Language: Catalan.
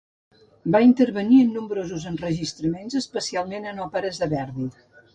Va intervenir en nombrosos enregistraments especialment en òperes de Verdi.